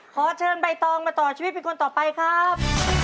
ขอเชิญใบตองมาต่อชีวิตเป็นคนต่อไปครับ